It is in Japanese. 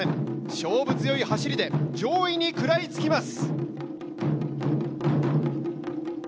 勝負強い走りで上位に食らいつきます。